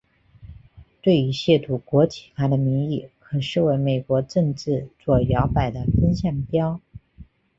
对于亵渎国旗法的民意可视为美国政治左摇摆的风向标。